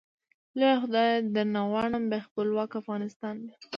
لويه خدايه درنه غواړم ، بيا خپلوک افغانستان مي